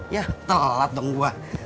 ya telat dong gue